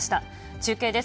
中継です。